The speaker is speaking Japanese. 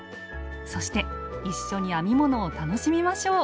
そして一緒に編み物を楽しみましょう！